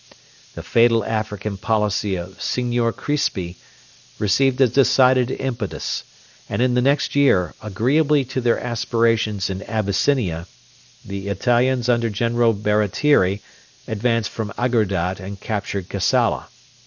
The fatal African policy of Signor Crispi received a decided impetus, and in the next year, agreeably to their aspirations in Abyssinia, the Italians under General Baratieri advanced from Agordat and captured Kassala.